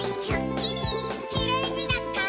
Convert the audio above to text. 「きれいになったね」